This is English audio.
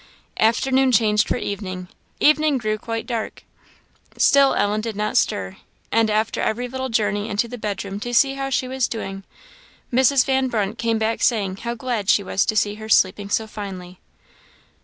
Afternoon changed for evening, evening grew quite dark, still Ellen did not stir; and after every little journey into the bedroom to see how she was doing, Mrs. Van Brunt came back saying how glad she was to see her sleeping so finely.